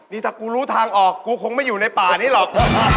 นี่ถ้ากูรู้ทางออกกูคงไม่อยู่ในป่านี้หรอก